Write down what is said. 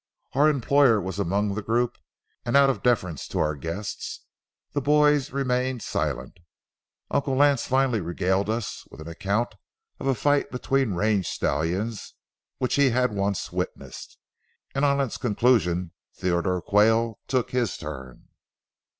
Our employer was among the group, and out of deference to our guest, the boys remained silent. Uncle Lance finally regaled us with an account of a fight between range stallions which he had once witnessed, and on its conclusion Theodore Quayle took his turn.